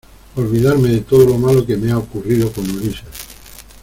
olvidarme de todo lo malo que me ha ocurrido con Ulises